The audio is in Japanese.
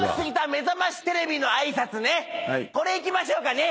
これいきましょうかね。